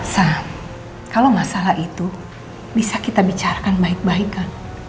sam kalau masalah itu bisa kita bicarakan baik baikan